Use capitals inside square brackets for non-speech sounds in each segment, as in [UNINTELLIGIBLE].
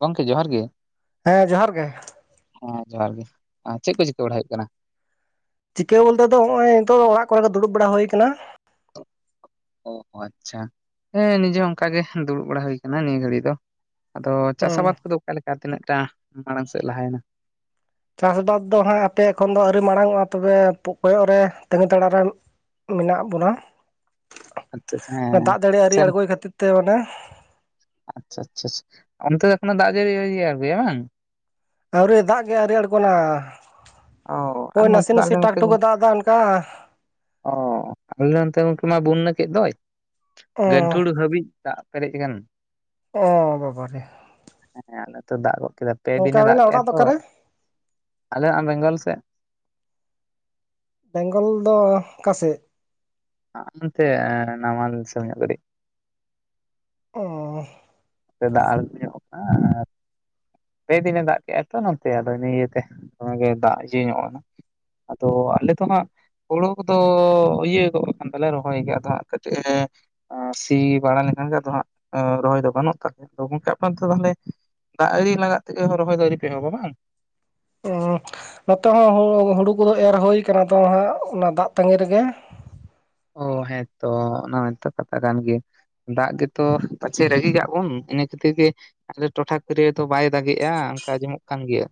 ᱜᱚᱝᱠᱮ ᱡᱚᱦᱟᱨ ᱜᱮ ᱦᱮᱸ ᱡᱚᱦᱟᱨ ᱜᱮ ᱦᱮᱸ ᱡᱚᱦᱟᱨ ᱜᱮ ᱪᱮᱫ ᱠᱚ ᱪᱤᱠᱟᱹ ᱵᱟᱲᱟ ᱦᱳᱭᱳᱜ ᱠᱟᱱᱟ ᱪᱤᱠᱟᱹ ᱵᱚᱞᱛᱮ ᱫᱚ ᱱᱚᱜᱼᱚᱭ ᱱᱤᱛᱚᱜ ᱫᱚ ᱚᱲᱟᱜ ᱠᱚ ᱨᱮ ᱜᱮ ᱫᱩᱲᱩᱵ ᱰᱟᱲᱟ ᱦᱳᱭ ᱠᱟᱱᱟ ᱚ ᱟᱪᱷᱟ ᱦᱮᱸ ᱱᱤᱡᱮ ᱦᱚᱸ ᱚᱱᱠᱟ ᱜᱮ ᱫᱩᱲᱩᱵ ᱵᱟᱲᱟ ᱦᱩᱭ ᱟᱠᱟᱱᱟ ᱱᱤᱭᱟᱹ ᱜᱷᱟᱹᱲᱤ ᱫᱚ ᱟᱫᱚ ᱪᱟᱥ ᱦᱩᱸ ᱟᱵᱟᱫ ᱠᱚ ᱫᱚ ᱚᱠᱟ ᱞᱮᱠᱟ ᱛᱤᱱᱟᱹᱜ ᱴᱟ ᱢᱟᱲᱟᱝ ᱥᱮᱫ ᱞᱟᱦᱟᱭ ᱱᱟ ᱪᱟᱥ ᱵᱟᱥ ᱫᱚ ᱦᱟᱸᱜ ᱟᱯᱮ ᱮᱠᱷᱚᱱ ᱫᱚ ᱟᱹᱣᱨᱤ ᱢᱟᱲᱟᱝ ᱚᱜᱼᱟ ᱛᱚ ᱵᱮ ᱠᱚᱭᱚᱜ ᱨᱮ ᱛᱤᱟᱹᱜᱤ ᱛᱟᱲᱟᱜ ᱨᱮ ᱢᱮᱱᱟᱜ ᱵᱚᱱᱟ ᱟᱪᱪᱷᱟ ᱟᱪᱪᱷᱟ ᱚᱱᱟ ᱦᱮᱸ ᱫᱟᱜ ᱡᱟᱲᱤ ᱟᱣᱹᱨᱤ ᱥᱮᱱ ᱟᱬᱜᱚᱭ ᱠᱷᱟᱹᱛᱤᱨ ᱛᱮ [UNINTELLIGIBLE] ᱟᱪᱪᱷᱟ ᱟᱪᱪᱷᱟ ᱟᱪᱪᱷᱟ ᱚᱱᱛᱮ ᱫᱚ ᱮᱠᱷᱚ ᱱᱚ ᱫᱟᱜ ᱡᱟᱨᱤ ᱟᱨᱜᱳ ᱭᱟᱭ [UNINTELLIGIBLE] ᱵᱟᱝ ᱟᱹᱣᱨᱤ ᱫᱟᱜ ᱜᱮ ᱟᱨᱤ ᱟᱲᱜᱳ ᱱᱟ ᱚ ᱟᱨ ᱳᱭ ᱱᱚᱛᱮ ᱱᱟᱥᱮ ᱫᱚ ᱟᱞᱮ ᱱᱟᱥᱮ ᱴᱟᱠ ᱱᱚᱛᱮ ᱴᱩᱠ ᱮ ᱜᱚᱝᱠᱮ ᱫᱟᱜ ᱫᱟ ᱚᱱᱠᱟ ᱚ ᱟᱞᱮ ᱱᱚᱱ ᱛᱮ ᱜᱚᱝᱠᱮ ᱢᱟ ᱵᱩᱱᱱᱟᱹ ᱠᱮᱫ ᱫᱚᱭ ᱚ ᱜᱟᱹᱱ ᱴᱷᱩᱲ ᱦᱟᱹᱵᱤᱡ ᱫᱟᱜ ᱯᱮᱨᱮᱡ ᱮᱠᱟᱱ [UNINTELLIGIBLE] ᱚ ᱵᱟᱵᱟ ᱨᱮ ᱦᱮᱸ ᱟᱞᱮ ᱛᱚ ᱫᱟᱜ ᱜᱚᱫ ᱠᱮᱫᱟ ᱯᱮ ᱜᱚᱝᱠᱮ ᱫᱤᱱᱮ ᱫᱟᱜ ᱟᱵᱮᱱᱟᱜ ᱠᱮᱫᱟ ᱚᱲᱟᱜ ᱫᱚ ᱛᱚ ᱚᱠᱟᱨᱮ ᱟᱞᱮ ᱭᱟᱜ ᱵᱮᱝᱜᱚᱞ ᱥᱮᱫ ᱵᱮᱝ ᱜᱚᱞ ᱫᱚ ᱚᱠᱟ ᱥᱮᱫ ᱦᱟᱜᱟ ᱱᱟᱛᱮ ᱱᱟᱢᱟᱞ ᱫᱤᱥᱚᱢ ᱧᱚᱜ ᱠᱟᱴᱤᱡ ᱳ ᱫᱟᱜ ᱟ ᱧᱚᱜ ᱠᱟᱭ ᱟᱨ ᱯᱮ ᱫᱤᱱ ᱮ ᱫᱟᱜ ᱠᱮᱜ ᱟᱭ ᱛᱚ ᱱᱚᱛᱮ ᱟᱫᱚ ᱤᱱᱟᱹᱜ ᱤᱭᱟᱹᱛᱮ ᱚᱱᱟ ᱜᱮ ᱫᱟᱜ ᱤᱭᱟᱹ ᱧᱚᱜᱼᱼ ᱟᱫᱚ ᱟᱞᱮ ᱫᱚ ᱦᱟᱸᱜ ᱦᱳᱲᱳ ᱠᱚ ᱫᱚ ᱤᱭᱟᱹ ᱜᱚᱫ ᱟᱠᱟᱱ ᱛᱟᱞᱮ ᱨᱚᱦᱚᱭ ᱜᱮ ᱟᱫᱚ ᱦᱟᱜ ᱠᱟᱹᱴᱤᱡ ᱟᱨ ᱥᱤ ᱵᱟᱲᱟ ᱞᱮᱱ ᱠᱷᱟᱱ ᱜᱮ ᱟᱫᱚ ᱦᱟᱜ ᱨᱚᱦᱚᱭ ᱫᱚ ᱜᱟ ᱱᱚᱜ [UNINTELLIGIBLE] ᱟᱫᱚ ᱜᱚᱝᱠᱮ ᱟᱯᱟ [UNINTELLIGIBLE] ᱛᱟᱦᱚᱞᱮ ᱫᱟᱜ ᱟᱨᱤ ᱞᱟᱜᱟᱟᱜ ᱛᱮᱜᱮ ᱨᱚᱦᱚᱭ ᱫᱚ ᱟᱨᱤ ᱯᱮ ᱮᱦᱚᱵᱟ ᱵᱟᱝ ᱚ ᱱᱚᱛᱮ ᱦᱚᱸ ᱦᱩᱲᱩ ᱠᱚ ᱫᱚ ᱮᱨ ᱦᱳᱭ ᱠᱟᱱᱟ ᱟᱫᱚ ᱦᱟᱜ ᱚᱱᱟ ᱫᱟᱜ ᱛᱟᱹᱜᱤ ᱨᱮ ᱜᱮ ᱚ ᱦᱮᱸ ᱛᱚ ᱚᱱᱟ ᱢᱟ ᱛᱚ ᱠᱟᱛᱷᱟ ᱠᱟᱱ ᱜᱮᱭᱟ ᱫᱟᱜ ᱜᱮ ᱛᱚ ᱯᱟᱪᱷᱮ ᱨᱟᱹᱜᱤ ᱠᱟᱜ ᱵᱚᱱ ᱤᱱᱟᱹ ᱠᱷᱟᱹᱛᱤᱨ ᱜᱮ ᱟᱞᱮ ᱴᱚᱴᱷᱟ ᱠᱚᱨᱮ ᱫᱚ ᱵᱟᱭ ᱫᱟᱜᱮᱜ-ᱟ ᱚᱝᱠᱟ ᱟᱸᱡᱚᱢᱚᱜ ᱠᱟᱱ ᱜᱮᱭᱟ᱾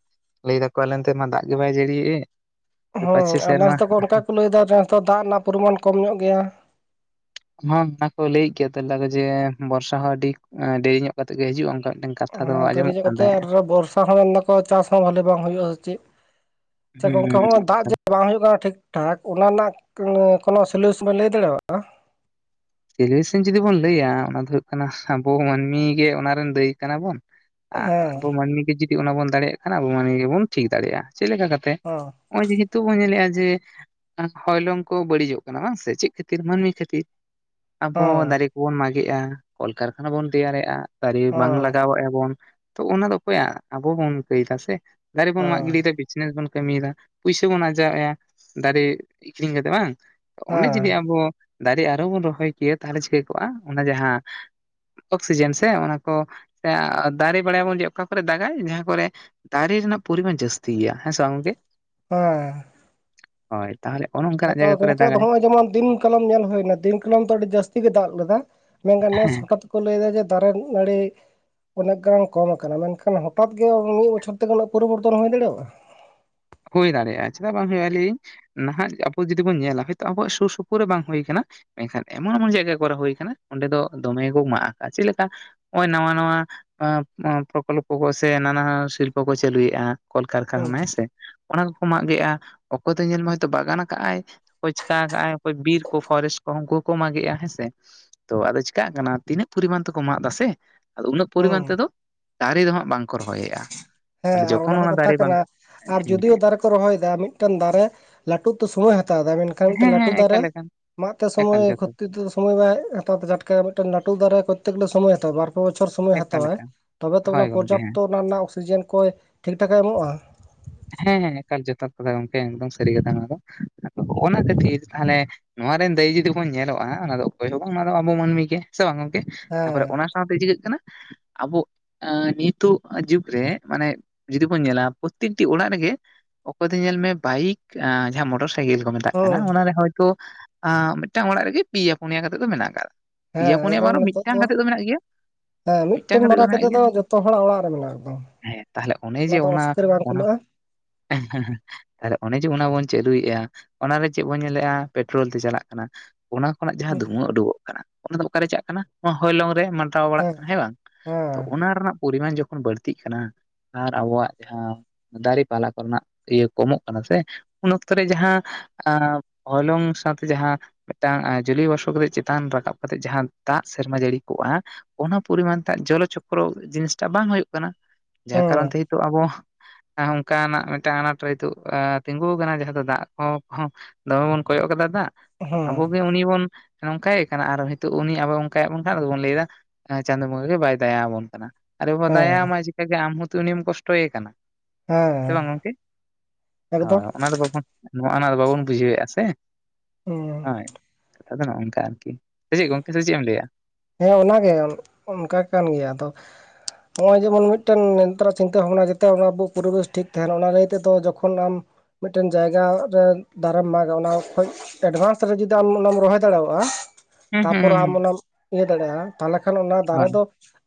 ᱞᱟᱹᱭ ᱫᱟᱠᱚ ᱟᱞᱮ ᱚᱱᱛᱮ ᱢᱟ ᱫᱟᱜ ᱜᱮ ᱵᱟᱭ ᱡᱟᱹᱲᱤᱭᱮᱫ᱾ ᱦᱳᱭ ᱟᱨ ᱱᱮᱥ ᱫᱚᱠᱚ ᱚᱱᱠᱟ ᱠᱚ ᱞᱟᱹᱭᱮᱫᱟ ᱱᱮᱥ ᱫᱚ ᱫᱟᱜ ᱨᱮᱭᱟᱜ ᱯᱚᱨᱤᱢᱟᱱ ᱠᱚᱢ ᱧᱚᱜ ᱜᱮᱭᱟ᱾ ᱦᱚᱸ ᱚᱱᱟ ᱠᱚ ᱞᱟᱹᱭᱮᱫ ᱜᱮᱭᱟ, ᱟᱫᱚ ᱞᱟᱹᱭᱫᱟᱠᱚ ᱡᱮ ᱵᱚᱨᱥᱟ ᱦᱚᱸ ᱟᱹᱰᱤ ᱰᱮᱨᱤ ᱧᱚᱜ ᱠᱟᱛᱮᱜ ᱜᱮ ᱦᱤᱡᱩᱜ-ᱟ ᱚᱝᱠᱟ ᱢᱤᱫᱴᱮᱝ ᱦᱮᱸ, ᱫᱮᱨᱤ ᱧᱚᱜ ᱠᱟᱛᱮᱫ ᱟᱨ ᱵᱚᱨᱥᱟ ᱦᱚᱸ ᱢᱮᱱᱫᱟᱠᱚ ᱪᱟᱥ ᱦᱚᱸ ᱵᱷᱟᱞᱤ ᱵᱟᱝ ᱦᱩᱭᱩᱜ-ᱟ ᱥᱮ ᱪᱮᱫ? ᱥᱮ ᱜᱚᱝᱠᱮ ᱦᱚᱸ-ᱚᱭ ᱫᱟᱜ ᱦᱩᱸ ᱡᱮ ᱵᱟᱝ ᱦᱩᱭᱩᱜ ᱠᱟᱱᱟ ᱴᱷᱤᱠ ᱴᱷᱟᱠ ᱚᱱᱟ ᱨᱮᱱᱟᱜ ᱠᱳᱱᱳ ᱥᱳᱞᱤᱭᱩᱭᱚᱥᱚᱱ ᱵᱮᱱ ᱞᱟᱹᱭ ᱫᱟᱲᱮᱣᱟᱜ-ᱟ? ᱥᱚᱞᱤᱭᱩᱭᱚᱥᱮᱱ ᱡᱩᱫᱤ ᱵᱚᱱ ᱞᱟᱹᱭᱟ ᱚᱱᱟ ᱫᱚ ᱦᱩᱭᱩᱜ ᱠᱟᱱᱟ ᱟᱵᱚ ᱢᱟᱹᱱᱢᱤ ᱜᱮ ᱚᱱᱟ ᱨᱮᱱ ᱫᱟᱹᱭᱤ ᱠᱟᱱᱟ ᱵᱚᱱ᱾ ᱟᱨ ᱟᱵᱚ ᱦᱮᱸ ᱢᱟᱹᱱᱢᱤ ᱜᱮ ᱡᱩᱫᱤ ᱚᱱᱟ ᱵᱚᱱ ᱫᱟᱲᱮᱭᱟᱜ ᱠᱷᱟᱱ ᱟᱵᱚ ᱢᱟᱹᱱᱢᱤ ᱜᱮᱵᱚᱱ ᱴᱷᱤᱠ ᱫᱟᱲᱮᱭᱟᱜ-ᱟ᱾ ᱪᱮᱫᱞᱮᱠᱟ ᱠᱟᱛᱮ? ᱚ᱾ ᱦᱚᱸᱜ-ᱚᱚᱭ ᱡᱮ ᱦᱤᱸᱛᱳᱜ ᱵᱚᱱ ᱧᱮᱞᱮᱜ-ᱟ ᱡᱮ ᱦᱚᱭᱞᱚᱝ ᱠᱚ ᱵᱟᱹᱲᱤᱡᱚᱜ ᱠᱟᱱᱟ ᱵᱟᱝ ᱥᱮ ᱪᱮᱫ ᱠᱷᱟᱹᱛᱤᱨ, ᱢᱟᱹᱱᱢᱤ ᱠᱷᱟᱹᱛᱤᱨ? ᱟᱵᱚ ᱦᱮᱸ ᱫᱟᱨᱮ ᱠᱚᱵᱚᱱ ᱢᱟᱜᱮᱜ-ᱟ, ᱠᱚᱞᱠᱟᱨᱠᱷᱟᱱᱟ ᱵᱚᱱ ᱛᱮᱭᱟᱨᱮᱜ-ᱟ, ᱫᱟᱨᱮ ᱵᱟᱝ ᱦᱮᱸ ᱞᱟᱜᱟᱣᱮᱜ-ᱟ ᱵᱚᱱ᱾ ᱛᱚ ᱚᱱᱟ ᱫᱚ ᱚᱠᱚᱭᱟᱜ ᱟᱵᱚ ᱵᱚᱱ ᱠᱟᱹᱭᱫᱟ ᱥᱮ ᱫᱟᱨᱮ ᱵᱚᱱ ᱢᱟᱜ ᱜᱤᱰᱤᱭᱮᱫᱟ ᱵᱤ ᱵᱮᱥ ᱵᱚᱱ ᱠᱟᱹᱢᱤᱭᱮᱫᱟ, ᱯᱩᱭᱥᱟᱹ ᱵᱚᱱ ᱟᱨᱡᱟᱣᱮᱜ-ᱟ ᱫᱟᱨᱮ ᱟᱠᱷᱨᱤᱧ ᱠᱟᱛᱮᱜ ᱵᱟᱝ? ᱚᱸᱰᱮ ᱦᱮᱸ ᱡᱩᱫᱤ ᱦᱮᱸ ᱟᱵᱚ ᱫᱟᱨᱮ ᱟᱨᱦᱚᱸ ᱵᱚᱱ ᱨᱚᱦᱚᱭ ᱠᱮᱭᱟ ᱛᱟᱦᱞᱮ ᱪᱤᱠᱟ ᱠᱚᱜ-ᱟ ᱚᱱᱟ ᱡᱟᱦᱟᱸ ᱚᱠᱥᱤᱡᱮᱱ ᱥᱮ ᱚᱱᱟ ᱠᱚ ᱫᱟᱨᱮ, ᱵᱟᱲᱟᱭᱟᱵᱚᱱ ᱡᱮ ᱚᱠᱟ ᱠᱚᱨᱮ ᱫᱟᱜᱟᱭ ᱡᱟᱦᱟᱸ ᱠᱚᱨᱮ ᱫᱟᱨᱮ ᱨᱮᱱᱟᱜ ᱯᱚᱨᱤᱢᱟᱱ ᱡᱟᱹᱥᱛᱤ ᱜᱮᱭᱟ ᱦᱮᱸ ᱥᱮ ᱵᱟᱝ ᱜᱚᱝᱠᱮ᱾ ᱦᱮᱸ᱾ ᱦᱳᱭ ᱛᱟᱦᱞᱮ ᱚᱱᱚᱝ ᱦᱮᱸᱛᱚ ᱜᱚᱝᱠᱮ ᱟᱫᱚ ᱦᱚᱸᱜ-ᱚᱭ ᱡᱮᱢᱚᱱ ᱫᱤᱱ ᱠᱟᱞᱚᱢ ᱧᱮᱞ ᱦᱩᱭᱱᱟ, ᱫᱤᱱ ᱠᱟᱞᱚᱢ ᱫᱚ ᱟᱹᱰᱤ ᱡᱟᱥᱛᱤ ᱜᱮ ᱫᱟᱜ ᱞᱮᱫᱟᱭ, ᱢᱮᱱᱠᱷᱟᱱ ᱱᱮᱥ ᱦᱮᱸ ᱦᱚᱸ ᱠᱟᱴᱤᱡ ᱠᱚ ᱞᱟᱹᱭᱫᱟ ᱡᱮ ᱫᱟᱨᱮ ᱱᱟᱹᱲᱤ ᱚᱱᱮᱠ ᱜᱟᱱ ᱠᱚᱢ ᱟᱠᱟᱱᱟ ᱢᱮᱱᱠᱷᱟᱱ ᱦᱚᱴᱟᱛ ᱜᱮ ᱢᱤᱫ ᱵᱚᱪᱷᱚᱨ ᱛᱮ ᱩᱱᱟᱜ ᱯᱚᱨᱤᱵᱚᱨᱛᱚᱱ ᱦᱩᱭ ᱫᱟᱲᱮᱣᱟᱜ-ᱟ? ᱦᱩᱭ ᱫᱟᱲᱮᱭᱟᱜ-ᱟ, ᱪᱮᱫᱟᱜ ᱵᱟᱝ ᱦᱩᱭᱩᱜ-ᱟ ᱞᱟᱹᱭᱤᱧ ᱱᱟᱦᱟᱜ ᱟᱵᱚ ᱡᱩᱫᱤ ᱵᱚᱱ ᱧᱮᱞᱟ ᱦᱳᱭᱛᱚ ᱟᱵᱚᱣᱟᱜ ᱥᱩᱨ ᱥᱩᱯᱩᱨ ᱨᱮ ᱵᱟᱝ ᱦᱩᱭ ᱠᱟᱱᱟ᱾ ᱢᱮᱱᱠᱷᱟᱱ ᱮᱢᱚᱱ ᱮᱢᱚᱱ ᱡᱟᱭᱜᱟ ᱠᱚᱨᱮ ᱦᱩᱭ ᱠᱟᱱᱟ ᱚᱸᱰᱮ ᱫᱚ ᱫᱚᱢᱮ ᱜᱮᱠᱚ ᱢᱟᱜ ᱠᱟᱜ-ᱟ᱾ ᱪᱮᱫ ᱞᱮᱠᱟ? ᱦᱚᱸᱜ-ᱚᱭ ᱱᱟᱣᱟ ᱱᱟᱣᱟ ᱟᱸ ᱯᱨᱚᱠᱚᱞᱯᱚ ᱠᱚ ᱥᱮ ᱱᱟᱱᱟᱦᱩᱱᱟᱹᱨ ᱥᱤᱞᱯᱚ ᱠᱚᱭ ᱪᱟᱹᱞᱩᱭᱮᱜ-ᱟ᱾ ᱦᱩᱸ ᱠᱚᱞᱠᱟᱨᱠᱷᱟᱱᱟ ᱦᱮᱸ ᱥᱮ ᱚᱱᱟ ᱠᱚᱠᱚ ᱢᱟᱜ ᱜᱮᱜ-ᱟ, ᱚᱠᱚᱭ ᱫᱚ ᱧᱮᱞ ᱢᱮ ᱦᱚᱭᱛᱳ ᱵᱟᱜᱟᱱ ᱠᱟᱜ-ᱟᱭ᱾ ᱚᱠᱚᱭ ᱪᱤᱠᱟ ᱠᱟᱜ ᱴ-ᱟᱭ, ᱚᱠᱚᱭ ᱵᱤᱨ ᱠᱚ ᱯᱷᱚᱨᱮᱥᱴ ᱠᱚ ᱩᱝᱠᱩ ᱦᱚᱸᱠᱚ ᱢᱟᱜᱮᱜᱼᱴ-ᱟ ᱦᱮᱸ ᱥᱮ᱾ ᱛᱚ, ᱟᱫᱚ ᱪᱤᱠᱟᱜ ᱠᱟᱱᱟ ᱛᱤᱱᱟᱹᱜ ᱯᱚᱨᱤᱢᱟᱱ ᱛᱮᱠᱚ ᱢᱟᱜ ᱫᱟ ᱥᱮ᱾ ᱟᱫᱚ ᱩᱱᱟᱹᱜ ᱦᱩᱸ ᱯᱚᱨᱤᱢᱟᱱ ᱛᱮᱫᱚ ᱫᱟᱨᱮ ᱫᱚ ᱦᱟᱸᱜ ᱵᱟᱝᱠᱚ ᱨᱚᱦᱚᱭᱮᱜ-ᱟ᱾ ᱦᱮᱸ ᱟᱨ ᱚᱱᱟ ᱦᱚᱸ ᱠᱟᱛᱷᱟ ᱠᱟᱱᱟ᱾ ᱟᱨ ᱦᱮᱸ ᱡᱳᱫᱤᱭᱳ ᱫᱟᱨᱮ ᱠᱚ ᱨᱚᱦᱚᱭᱮᱫᱟ ᱢᱤᱫᱴᱮᱱ ᱫᱟᱨᱮ ᱞᱟᱹᱴᱩᱜ ᱛᱮ ᱥᱚᱢᱚᱭᱮ ᱦᱟᱛᱟᱣ ᱫᱟ ᱢᱮᱱ ᱠᱷᱟᱱ ᱢᱤᱫᱴᱮᱡ ᱦᱮᱸ ᱞᱟᱹᱴᱩ ᱦᱮᱸ ᱫᱟᱨᱮ ᱮᱠᱟᱞ ᱮᱠᱟᱞ ᱢᱟᱜ ᱛᱮ ᱮᱠᱟᱞ ᱥᱚᱢᱚᱭ ᱡᱚᱛᱷᱟᱛ ᱠᱷᱚᱛᱤ ᱫᱚ ᱥᱚᱢᱚᱭ ᱵᱟᱭ ᱦᱟᱛᱟᱣ ᱛᱮ ᱴᱟᱴᱠᱮ ᱢᱤᱫᱴᱟᱝ ᱞᱟᱹᱩ ᱫᱟᱨᱮ ᱠᱚᱚᱛᱛᱮ ᱜᱮᱞᱮ ᱥᱚᱢᱚᱭ ᱦᱟᱛᱟᱣᱟ ᱵᱟᱨ ᱯᱮ ᱵᱚᱪᱷᱚᱨ ᱥᱢᱚᱭ ᱮᱠᱟᱞ ᱦᱟᱛᱟᱣᱟᱭ᱾ ᱮᱠᱟᱞ ᱛᱚᱵᱮ ᱛᱚ ᱦᱳᱭ ᱚᱱᱟ ᱜᱚᱝᱠᱮ ᱦᱮᱸ ᱯᱚᱨᱡᱟᱯᱛᱚ ᱚᱱᱟ ᱨᱮᱱᱟᱜ ᱚᱠᱥᱤᱡᱮᱱ ᱠᱚᱭ ᱴᱷᱤᱠ ᱴᱷᱟᱠᱮ ᱮᱢᱚᱜ-ᱟ᱾ ᱦᱮᱸ, ᱮᱠᱟᱞ ᱡᱚᱛᱷᱟᱛ ᱠᱟᱛᱷᱟ ᱜᱚᱝᱠᱮ ᱮᱠᱫᱚᱢ ᱥᱟᱹᱨᱤ ᱠᱟᱛᱷᱟ ᱱᱚᱣᱟᱫᱚ ᱦᱚᱸᱜ-ᱚᱱᱟ ᱠᱷᱟᱹᱛᱤᱨ ᱛᱟᱦᱞᱮ ᱱᱚᱣᱟ ᱨᱮᱱ ᱫᱟᱹᱭᱤ ᱡᱩᱫᱤ ᱵᱚᱱ ᱧᱮᱞᱚᱜ-ᱟ ᱚᱱᱟ ᱫᱚ ᱚᱠᱚᱭ ᱦᱚᱸ ᱵᱟᱝ ᱚᱱᱟ ᱫᱚ ᱟᱵᱚ ᱢᱟᱹᱱᱢᱤ ᱜᱮ᱾ ᱥᱮ ᱵᱟᱝ ᱜᱚᱝᱠᱮ? ᱛᱟᱯᱚᱨᱮ ᱦᱮᱸ ᱚᱱᱟ ᱥᱟᱶᱛᱮ ᱪᱤᱠᱟᱹᱜ ᱠᱟᱱᱟ ᱟᱵᱚ ᱱᱤᱛᱚᱜ ᱡᱩᱜᱽ ᱨᱮ ᱢᱟᱱᱮ ᱡᱩᱫᱤ ᱵᱚᱱ ᱧᱮᱞᱟ ᱯᱩᱥ ᱯᱨᱚᱛᱛᱮᱠᱴᱤ ᱚᱲᱟᱜ ᱨᱮᱜᱮ ᱚᱠᱚᱭ ᱫᱚ ᱧᱮᱞ ᱢᱮ ᱵᱟᱭᱤᱠ ᱡᱟᱦᱟᱸ ᱢᱚᱴᱚᱨ ᱥᱟᱭᱠᱮᱞ ᱠᱚ ᱢᱮᱛᱟᱜ ᱠᱟᱱᱟ ᱦᱩᱸ ᱚᱱᱟᱨᱮ ᱦᱚᱭᱛᱳ ᱟᱸ, ᱢᱤᱫᱴᱟᱝ ᱚᱲᱟᱜ ᱨᱮᱜᱮ ᱯᱮᱭᱟ ᱯᱩᱱᱭᱟ ᱠᱟᱛᱮᱜ ᱫᱚ ᱢᱮᱱᱟᱜ ᱠᱟᱜ ᱯᱮᱭᱟ ᱦᱮᱸ ᱯᱩᱱᱭᱟᱹ ᱵᱟᱝ ᱮᱠᱫᱚᱢ ᱨᱮᱦᱚᱸ ᱱᱤᱛᱚᱜ ᱢᱤᱫᱴᱟᱝ ᱠᱟᱛᱮᱫ ᱫᱚ ᱢᱮᱱᱟᱜ ᱜᱮᱭᱟ᱾ ᱦᱮᱸ ᱢᱤᱫᱴᱟᱝ ᱢᱤᱫᱴᱮᱱ ᱠᱟᱛᱮᱜ ᱵᱟᱨᱟ ᱫᱚ ᱢᱮᱱᱟᱜ ᱠᱟᱛᱮ ᱜᱮᱭᱟ ᱡᱚᱛᱚ ᱦᱚᱲᱟᱜ ᱚᱲᱟᱜ ᱨᱮ ᱢᱮᱱᱟᱜᱼᱟ ᱮᱠᱫᱚᱢ ᱦᱮᱸ, ᱛᱟᱦᱞᱮ ᱚᱱᱮ ᱡᱮ ᱫᱚ ᱚᱱᱟ ᱚᱥᱩᱠᱷᱮᱨ ᱵᱟᱝ ᱠᱩᱞᱟᱹᱜᱼᱟ [UNINTELLIGIBLE] ᱛᱟᱦᱞᱮ ᱚᱱᱮ ᱡᱮ ᱚᱱᱟ ᱵᱚᱱ ᱪᱟᱹᱞᱩᱭᱮᱜ-ᱟ, ᱚᱱᱟᱨᱮ ᱪᱮᱫ ᱵᱚᱱ ᱧᱮᱞᱮᱜ-ᱟ ᱯᱮᱴᱨᱳᱞ ᱛᱮ ᱪᱟᱞᱟᱜ ᱠᱟᱱᱟ᱾ ᱚᱱᱟ ᱠᱷᱚᱱᱟᱜ ᱡᱟᱦᱟᱸ ᱦᱮᱸ ᱫᱷᱩᱶᱟᱹ ᱩᱰᱩᱠᱚᱜ ᱠᱟᱱᱟ, ᱚᱱᱟ ᱫᱚ ᱚᱠᱟᱨᱮ ᱪᱟᱜ ᱠᱟᱱᱟ ᱚᱱᱟ ᱦᱚᱭᱞᱚᱝ ᱨᱮ ᱢᱟ ᱦᱟᱛᱟᱣ ᱵᱟᱲᱟᱜ ᱠᱟᱱᱟ ᱦᱮᱸ ᱵᱟᱝ? ᱛᱚ, ᱦᱮᱸ ᱚᱱᱟ ᱨᱮᱱᱟᱜ ᱯᱚᱨᱤᱢᱟᱱ ᱡᱚᱠᱷᱚᱱ ᱵᱟᱹᱲᱛᱤᱜ ᱠᱟᱱᱟ ᱟᱨ ᱟᱵᱚᱣᱟᱜ ᱡᱟᱦᱟᱸ ᱫᱟᱨᱮ ᱯᱟᱞᱟ ᱠᱚᱨᱮᱱᱟᱜ ᱤᱭᱟᱹ ᱠᱚᱢᱚᱜ ᱠᱟᱱᱟ ᱥᱮ ᱩᱱ ᱚᱠᱛᱚ ᱨᱮ ᱡᱟᱦᱟᱸ ᱟᱸ ᱦᱚᱞᱚᱝ ᱥᱟᱶᱛᱮ ᱡᱟᱦᱟᱸ ᱢᱤᱫᱴᱟᱝ ᱡᱩᱞᱤᱳ ᱵᱚᱥᱯᱚ ᱠᱟᱛᱮᱜ ᱪᱮᱛᱟᱱ ᱨᱟᱠᱟᱵ ᱠᱟᱛᱮᱜ ᱡᱟᱦᱟᱸ ᱫᱟᱜ ᱥᱮᱨᱢᱟ ᱡᱟᱹᱲᱤ ᱠᱚᱜᱼᱟᱼᱼ ᱚᱱᱟ ᱯᱚᱨᱤᱢᱟᱱ ᱛᱮ ᱡᱚᱞᱚ ᱪᱚᱠᱨᱚ ᱡᱤᱱᱤᱥᱴᱟᱜ ᱵᱟᱝ ᱦᱩᱭᱩᱜ ᱠᱟᱱᱟ ᱡᱟᱦᱟᱸ ᱠᱟᱨᱚᱱ ᱛᱮ ᱱᱤᱛᱚᱜ ᱟᱵᱚᱼᱼ ᱚᱱᱠᱟᱱᱟᱜ ᱢᱤᱫᱴᱟᱝ ᱟᱸᱱᱟᱴ ᱨᱮᱛᱩᱜ ᱛᱤᱸᱜᱩ ᱟᱠᱟᱱᱟ ᱡᱟᱦᱟᱸ ᱫᱚ ᱫᱟᱜ ᱠᱚᱦᱚᱸᱼᱼ ᱫᱚᱢᱮ ᱵᱚᱱ ᱠᱚᱭᱚᱜ ᱠᱟᱫᱟ ᱫᱟᱜ ᱦᱮᱸ ᱟᱵᱚᱼᱼ ᱩᱱᱤ ᱵᱚᱱ ᱱᱚᱝᱠᱟᱭᱮ ᱠᱟᱱᱟ ᱟᱨ ᱦᱮᱛᱳᱜ ᱩᱱᱤ ᱟᱵᱚ ᱚᱱᱠᱟᱭᱮᱫ ᱵᱚᱱ ᱠᱷᱟᱱ ᱟᱫᱚᱵᱚᱱ ᱞᱟᱹᱭᱫᱟᱼᱼ ᱪᱟᱸᱫᱳ ᱵᱚᱸᱜᱟ ᱜᱮ ᱵᱟᱭ ᱫᱟᱭᱟᱳᱵᱚᱱ ᱠᱟᱱᱟ ᱟᱨᱮ ᱵᱟᱵᱟ ᱦᱮᱸ ᱫᱟᱭᱟᱟᱢᱟᱭ ᱪᱤᱠᱟᱹᱜᱮ ᱟᱢ ᱦᱚᱛᱚ ᱩᱱᱤᱢ ᱠᱚᱥᱴᱚᱭᱮ ᱠᱟᱱᱟ᱾ ᱥᱮ ᱦᱮᱸ ᱵᱟᱝ ᱜᱚᱝᱠᱮ ᱮᱠᱫᱚᱢ ᱦᱳᱭ ᱚᱱᱟ ᱫᱚ ᱵᱟᱵᱚᱱᱼᱼ ᱱᱚᱜ ᱚᱱᱟ ᱫᱚ ᱵᱟᱵᱚᱱ ᱵᱩᱡᱷᱟᱹᱣᱮᱫᱼᱟ ᱥᱮ ᱦᱩᱸ ᱦᱳᱭ᱾ ᱟᱫᱚ ᱱᱚ ᱚᱱᱠᱟ ᱟᱨᱠᱤ ᱥᱮ ᱪᱮᱫ ᱜᱚᱝᱠᱮ ᱥᱮ ᱪᱮᱫ ᱮᱢ ᱞᱟᱹᱭᱟ? ᱦᱮᱸ ᱚᱱᱟᱜᱮ ᱚᱱᱠᱟ ᱠᱟᱱ ᱜᱮᱭᱟ ᱟᱫᱚ᱾ [UNINTELLIGIBLE] ᱱᱚᱜ-ᱚᱭ ᱡᱮᱢᱚᱱ ᱢᱤᱫᱴᱮᱱ ᱱᱮᱛᱨᱟ ᱪᱤᱱᱛᱟᱹ ᱵᱷᱟᱵᱽᱱᱟ ᱡᱟᱛᱮ ᱟᱵᱚ ᱯᱚᱨᱤᱵᱮᱥ ᱴᱷᱤᱠ ᱛᱟᱦᱮᱱᱟ ᱚᱱᱟ ᱞᱟᱹᱭ ᱛᱮᱫᱚ ᱡᱚᱠᱷᱚᱱ ᱟᱢᱼᱼ ᱢᱤᱫᱴᱮᱱ ᱡᱟᱭᱜᱟ ᱨᱮ ᱫᱟᱨᱮᱢ ᱢᱟᱜᱟ ᱚᱱᱟ ᱠᱷᱚᱡᱼᱼ ᱮᱰᱵᱷᱟᱱᱥ ᱨᱮ ᱡᱩᱫᱤ ᱟᱢ ᱚᱱᱟᱢ ᱨᱚᱦᱚᱭ ᱫᱟᱲᱮᱭᱟᱜᱼᱟᱼᱼ ᱦᱩᱸ ᱦᱩᱸ ᱛᱟᱨᱯᱚᱨ ᱦᱩᱸ ᱦᱩᱸ ᱟᱢ ᱚᱱᱟᱢ ᱤᱭᱟᱹ ᱫᱟᱲᱮᱭᱟᱜᱼᱟ ᱛᱟᱦᱞᱮ ᱠᱷᱟᱱ ᱚᱱᱟ ᱫᱟᱨᱮ ᱦᱳᱭ ᱫᱚᱼᱼ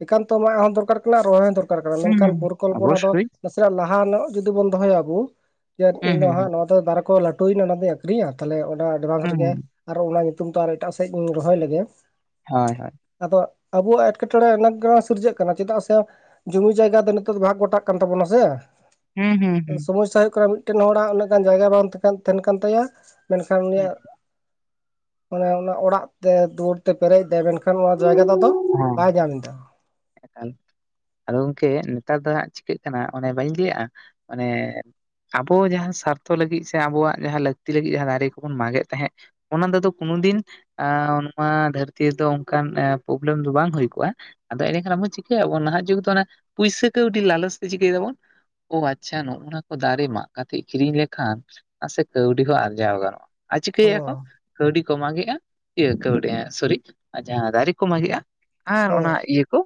ᱮᱠᱟᱱᱛᱚ ᱟᱢᱟᱜ ᱦᱚᱸ ᱫᱚᱨᱠᱟᱨ ᱠᱟᱱᱟ ᱨᱚᱭ ᱫᱚᱨᱼᱼ ᱦᱩᱸ ᱦᱩᱸ ᱢᱮᱱᱠᱷᱟᱱ ᱯᱚᱨᱤᱠᱚᱞᱯᱚᱱᱟ ᱫᱚ ᱚᱵᱚᱥᱥᱳᱭ ᱱᱟᱥᱮᱱᱟᱜ ᱞᱟᱦᱟᱱᱚᱜ ᱡᱩᱫᱤ ᱵᱚᱱ ᱫᱚᱦᱚᱭᱟ ᱵᱩ ᱡᱮ ᱦᱩᱸ ᱤᱧ ᱫᱚ ᱦᱩᱸ ᱦᱟᱸᱜ ᱦᱩᱸ ᱱᱚᱣᱟᱼᱼ ᱫᱟᱨᱮ ᱠᱚ ᱞᱟᱹᱴᱩᱭᱱᱟ ᱚᱱᱟ ᱫᱚᱧ ᱟᱠᱷᱨᱤᱧᱟ ᱛᱟᱦᱞᱮ ᱚᱱᱟ ᱮᱰᱵᱷᱟᱱᱥ ᱦᱩᱸ ᱨᱮᱜᱮᱼᱼ ᱦᱩᱸ ᱟᱨᱚ ᱚᱱᱟ ᱧᱩᱛᱩᱢ ᱛᱮ ᱟᱨ ᱮᱴᱟᱜ ᱥᱮᱫ ᱤᱧ ᱨᱚᱦᱚᱭ ᱞᱮᱜᱮᱼᱼ ᱦᱳᱭ ᱦᱳᱭ ᱟᱫᱚ ᱟᱵᱚᱣᱟᱜ ᱮᱴᱠᱮᱴᱚᱬᱮ [UNINTELLIGIBLE] ᱥᱤᱨᱡᱟᱹᱜ ᱠᱟᱱᱟ ᱪᱮᱫᱟᱜ ᱥᱮᱼᱼ ᱡᱩᱢᱤ ᱡᱟᱭᱜᱟ ᱫᱚ ᱱᱤᱛᱚᱜ ᱫᱚ ᱵᱷᱟᱜ ᱜᱚᱴᱟᱜ ᱠᱟᱱ ᱛᱟᱵᱚᱱᱟ ᱥᱮᱼᱼ ᱦᱩᱸ ᱦᱩᱸ ᱦᱩᱸ ᱥᱚᱢᱚᱥᱥᱟ ᱦᱩᱭᱩᱜ ᱠᱟᱱᱟ ᱢᱤᱫᱴᱮᱱ ᱦᱚᱲᱟᱜ ᱩᱱᱟᱹᱜ ᱜᱟᱱ ᱡᱟᱭᱜᱟ ᱵᱟᱝ ᱛᱟᱦᱮᱱ ᱠᱟᱱ ᱛᱟᱭᱟ᱾ ᱢᱮᱱᱠᱷᱟᱱ ᱦᱮᱸ ᱦᱮᱸ ᱩᱱᱤᱭᱟᱜ ᱟᱱᱮ ᱚᱱᱟ ᱚᱲᱟᱜ ᱛᱮ ᱫᱩᱣᱟᱹᱨ ᱛᱮ ᱯᱮᱨᱮᱡᱫᱟᱭ ᱢᱮᱱᱠᱷᱟᱱᱼᱼ ᱠᱷᱟᱱ ᱱᱚᱣᱟ ᱡᱟᱭᱜᱟ ᱫᱚᱛᱚ ᱵᱟᱭ ᱧᱟᱢ ᱮᱫᱟ᱾ ᱟᱫᱚ ᱜᱚᱢᱠᱮ ᱱᱮᱛᱟᱨ ᱫᱚ ᱦᱟᱸᱜ ᱪᱤᱠᱟᱹᱜ ᱠᱟᱱᱟ ᱚᱱᱮ ᱵᱟᱹᱧ ᱞᱟᱹᱭᱟᱜᱼᱟ ᱚᱱᱮᱼᱼ ᱟᱵᱚ ᱡᱟᱦᱟᱸ ᱥᱟᱨᱛᱷᱚ ᱞᱟᱹᱜᱤᱫ ᱥᱮ ᱟᱵᱚᱣᱟᱜ ᱡᱟᱦᱟᱸ ᱞᱟᱹᱠᱛᱤ ᱞᱟᱹᱜᱤᱫ ᱡᱟᱦᱟᱸ ᱫᱟᱨᱮ ᱠᱚᱵᱚᱱ ᱢᱟᱜᱮᱫ ᱛᱟᱦᱮᱜᱼᱼ ᱚᱱᱟ ᱫᱚ ᱫᱚᱛᱚ ᱠᱱᱳ ᱫᱤᱱᱼᱼ ᱮ ᱱᱚᱣᱟ ᱫᱷᱟᱹᱨᱛᱤ ᱨᱮᱫᱚ ᱚᱱᱠᱟᱱ ᱯᱨᱚᱵᱞᱮᱢ ᱫᱚ ᱵᱟᱝ ᱦᱩᱭ ᱠᱚᱜᱼᱟ᱾ ᱟᱫᱚ ᱮᱸᱰᱮᱠᱷᱟᱱ ᱟᱵᱚ ᱪᱤᱠᱟᱹᱭ ᱟᱵᱚᱱ ᱱᱟᱦᱟᱜ ᱡᱩᱜᱽ ᱫᱚ ᱚᱱᱟ ᱯᱩᱭᱥᱟᱹ ᱠᱟᱹᱣᱰᱤ ᱞᱟᱞᱚᱪ ᱛᱮ ᱪᱤᱠᱟᱹᱭ ᱫᱟᱵᱚᱱᱼᱼ ᱚ ᱟᱪᱪᱷᱟ ᱱᱚᱜ ᱚᱱᱟ ᱠᱚ ᱫᱟᱨᱮ ᱢᱟᱸᱜ ᱠᱟᱛᱮᱜ ᱠᱤᱨᱤᱧ ᱞᱮᱠᱷᱟᱱ ᱱᱟᱥᱮ ᱠᱟᱹᱣᱰᱤ ᱦᱚᱸ ᱟᱨᱡᱟᱣ ᱜᱟᱱᱚᱜᱼᱟ᱾ ᱟᱨ ᱪᱤᱠᱟᱹᱭᱮᱜ-ᱟ ᱠᱚ ᱦᱮᱸ ᱠᱟᱹᱣᱰᱤ ᱠᱚ ᱢᱟᱸᱜᱮᱜᱼᱟ ᱤᱭᱟᱹ ᱠᱟᱹᱣᱰᱤ ᱥᱚᱨᱤ ᱡᱟᱸᱦᱟ ᱫᱟᱨᱤ ᱠᱚ ᱢᱟᱸᱜᱮᱜ-ᱟᱼᱼ ᱟᱨ ᱦᱮᱸ ᱚᱱᱟ ᱤᱭᱟᱹ ᱠᱚ